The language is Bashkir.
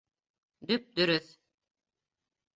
Дөп-дөрөҫ!